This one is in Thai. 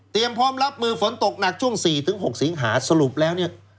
เตรียมพร้อมรับมือฝนตกหนักช่วงสี่ถึงหกสิงหาสรุปแล้วเนี้ย